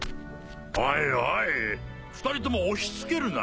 おいおい２人とも押し付けるな。